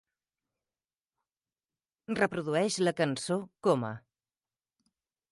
Reprodueix la cançó Coma